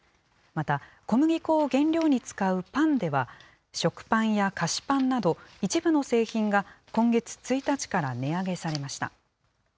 また小麦粉を原料に使うパンでは、食パンや菓子パンなど、一部の製品が今月１日から値上げされました。